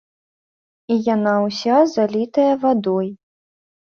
І яна ўся залітая вадой.